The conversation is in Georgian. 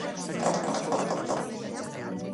სიმფონიის პრემიერა უცნობ მიზეზთა გამო არ გაიმართა.